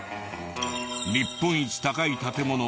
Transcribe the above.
日本一高い建物は